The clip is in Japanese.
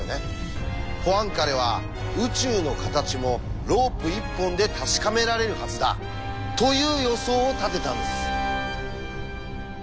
ポアンカレは「宇宙の形もロープ１本で確かめられるはずだ」という予想を立てたんです。